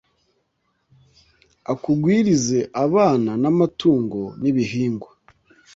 akugwirize abana n’amatungo n’ibihingwa.